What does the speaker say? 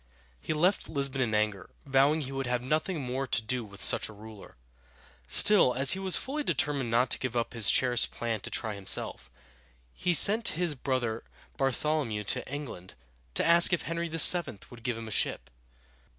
He left Lisbon in anger, vowing he would have nothing more to do with such a ruler. Still, as he was fully determined not to give up his cherished plan to try himself, he sent his brother Bar thol´o mew to England to ask if Henry VII. would give him a ship.